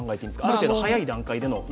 ある程度、日本は早い段階で？